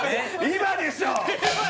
今でしょ！